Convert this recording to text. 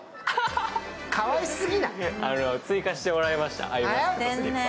追加してもらいました、アイマスクとスリッパ。